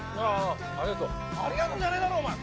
ああありがとう。